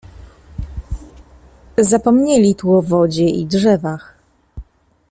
"Zapomnieli tu o wodzie i drzewach."